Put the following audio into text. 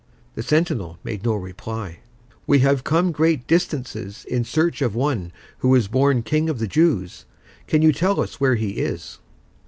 The sentinel made no reply. "We have come great distances in search of one who is born King of the Jews. Can you tell us where he is?"